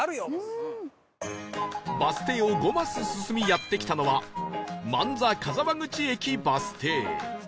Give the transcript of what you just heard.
バス停を５マス進みやって来たのは万座・鹿沢口駅バス停